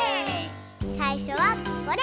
さいしょはこれ。